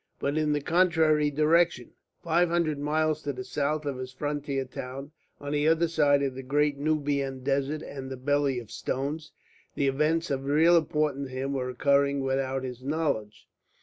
But in the contrary direction, five hundred miles to the south of his frontier town, on the other side of the great Nubian desert and the Belly of Stones, the events of real importance to him were occurring without his knowledge.